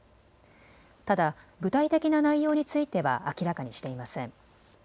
ただ、具体的な内容については明らかにしていません。